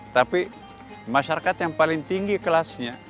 tapi masyarakat yang paling tinggi kelasnya